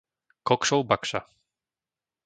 Kokšov-Bakša